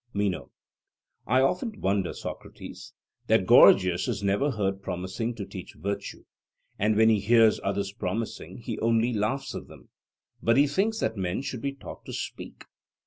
MENO: I often wonder, Socrates, that Gorgias is never heard promising to teach virtue: and when he hears others promising he only laughs at them; but he thinks that men should be taught to speak.